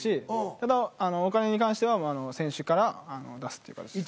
ただお金に関しては選手から出すっていうかたちでした。